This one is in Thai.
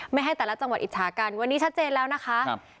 ให้แต่ละจังหวัดอิจฉากันวันนี้ชัดเจนแล้วนะคะ